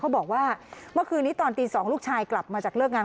บอกว่าเมื่อคืนนี้ตอนตี๒ลูกชายกลับมาจากเลิกงาน